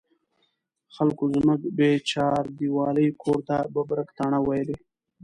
خلکو زموږ بې چاردیوالۍ کور ته ببرک تاڼه ویلې.